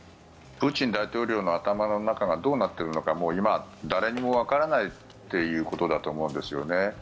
プーチン大統領の頭の中がどうなっているのかもう今誰にもわからないということだと思うんですよね。